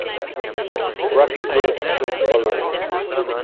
Rapid growth soon followed.